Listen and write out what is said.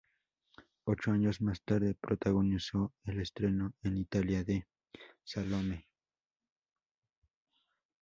Ocho años más tarde, protagonizó el estreno en Italia de "Salome.